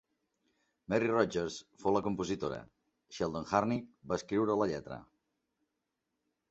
Mary Rodgers fou la compositora; Sheldon Harnick va escriure la lletra.